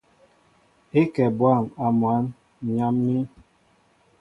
É kɛ bwâm a mwǎn , ǹ yam̀ín.